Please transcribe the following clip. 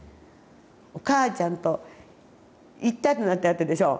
お母ちゃんと一体となってやったでしょう。